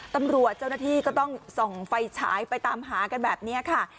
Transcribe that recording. เจ้าหน้าที่ก็ต้องส่องไฟฉายไปตามหากันแบบนี้ค่ะ